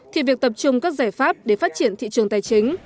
thì việc tập trung các giải pháp để phát triển thị trường tài chính